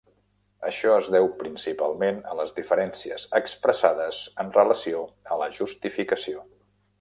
Això es deu principalment a les diferències expressades en relació a la Justificació.